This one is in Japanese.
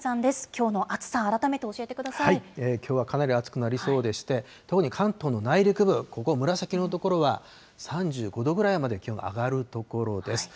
きょうの暑さ、きょうはかなり暑くなりそうでして、特に関東の内陸部、ここ、紫色の所は３５度くらいまで気温が上がる所です。